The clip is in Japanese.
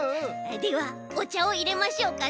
ではおちゃをいれましょうかね。